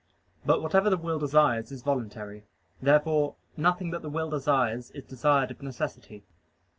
But whatever the will desires is voluntary. Therefore nothing that the will desires is desired of necessity.